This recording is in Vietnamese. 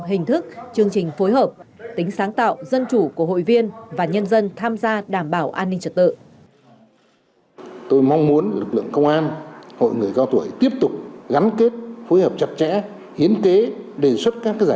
hình thức chương trình phối hợp tính sáng tạo dân chủ của hội viên và nhân dân tham gia đảm bảo an ninh trật tự